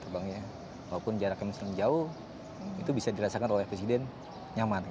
walaupun jaraknya sedang jauh itu bisa dirasakan oleh presiden nyaman